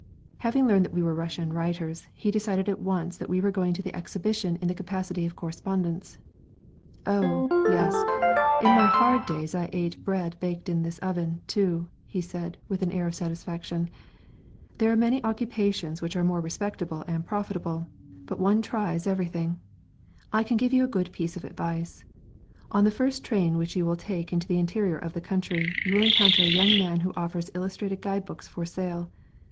Having learned that we were Russian writers, he decided at once that we were going to the Exhibition in the capacity of correspondents. "Oh, yes, in my hard days I ate bread baked in this oven, too," he said, with an air of satisfaction. "There are many occupations which are more respectable and profitable.... But one tries everything. I can give you a good piece of advice. On the first train which will take you into the interior of the country, you will encounter a young man who offers illustrated guide books for sale.